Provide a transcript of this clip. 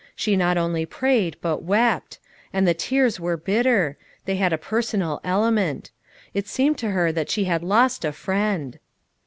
She not only prayed, but wept; and the tears were bitter; they had a personal element; it seemed to her that she had lost a friend.